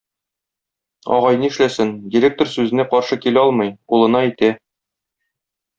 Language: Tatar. Агай нишләсен, директор сүзенә каршы килә алмый, улына әйтә